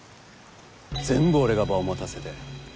全部俺が場をもたせて。